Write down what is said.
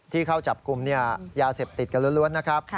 เข้าจับกลุ่มยาเสพติดกันล้วนนะครับ